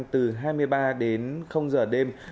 từ hai mươi ba đến giờ đêm